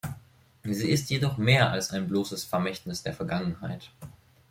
Sie ist jedoch mehr als ein bloßes Vermächtnis der Vergangenheit.